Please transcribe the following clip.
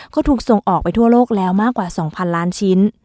ก็ถูกส่งออกไปทั่วโลกแล้วมากกว่า๒๐๐๐ล้านชิ้น